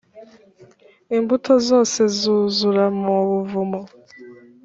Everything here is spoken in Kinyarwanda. imbuto zose zuzura mu buvumo.